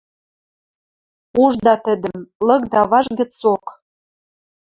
Ужда тӹдӹм, лыкда важ гӹцок.